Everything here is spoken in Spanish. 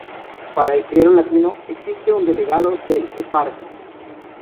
Para el clero latino existe un delegado del eparca.